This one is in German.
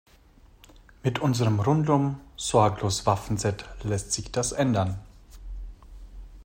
Mit unserem Rundum-Sorglos-Waffenset lässt sich das ändern.